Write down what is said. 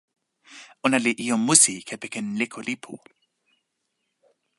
ona li ijo musi kepeken leko lipu.